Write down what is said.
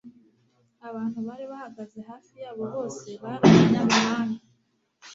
abantu bahagaze hafi yabo bose bari abanyamahanga